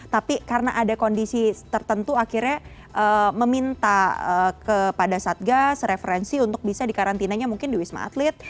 tapi karena ada kondisi tertentu akhirnya meminta kepada satgas referensi untuk bisa dikarantinanya mungkin di wisma atlet